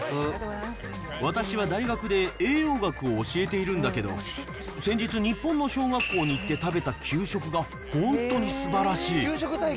私は大学で栄養学を教えているんだけど、先日、日本の小学校に行って食べた給食が本当にすばらしい。